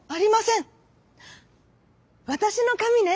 「わたしのかみね